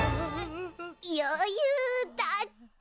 よゆうだって。